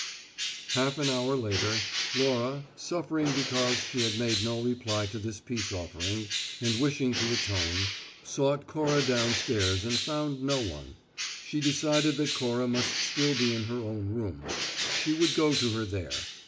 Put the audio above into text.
Half an hour later, Laura, suffering because she had made no reply to this peace offering, and wishing to atone, sought Cora downstairs and found no one. She decided that Cora must still be in her own room; she would go to her there.